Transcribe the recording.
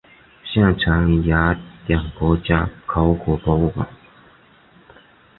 现藏于雅典国家考古博物馆。